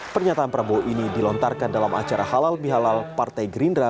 pernyataan prabowo ini dilontarkan dalam acara halal bihalal partai gerindra